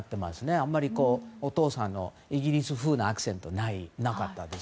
あまりお父さんのイギリス風なアクセントはなかったんです。